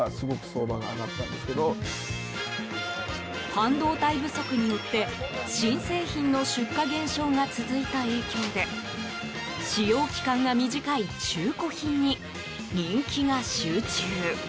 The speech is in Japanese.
半導体不足によって新製品の出荷減少が続いた影響で使用期間が短い中古品に人気が集中。